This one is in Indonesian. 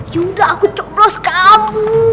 yaudah aku coblos kamu